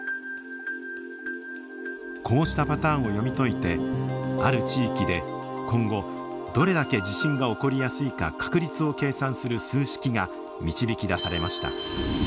こうしたパターンを読み解いてある地域で今後どれだけ地震が起こりやすいか確率を計算する数式が導き出されました。